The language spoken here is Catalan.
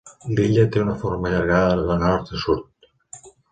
L'illa té una forma allargada de nord a sud.